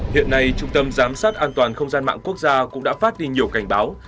hiện nay trung tâm giám sát an toàn không gian mạng quốc gia cũng đã phát đi nhiều cảnh báo